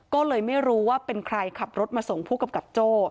ก็เลยไม่รู้ว่าเป็นใครขับรถมาส่งผู้กำกับโจ้